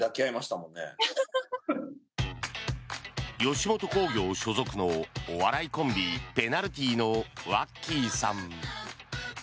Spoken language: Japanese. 吉本興業所属のお笑いコンビペナルティのワッキーさん。